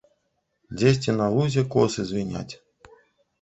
Дзесьці на лузе косы звіняць.